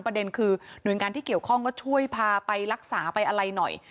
ประเด็นคือหน่วยงานที่เกี่ยวข้องก็ช่วยพาไปรักษาไปอะไรหน่อย